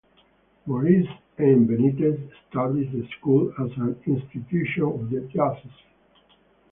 Maurice M. Benitez, established the School as an institution of the Diocese.